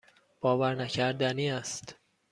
باورنکردنی است.